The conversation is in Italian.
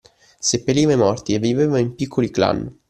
Seppelliva i morti e viveva in piccoli clan.